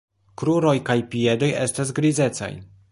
Kruroj kaj piedoj estas grizecaj.